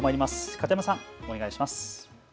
片山さん、お願いします。